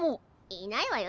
いないわよ